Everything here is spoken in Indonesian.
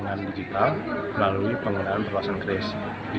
dan pihak dompet digital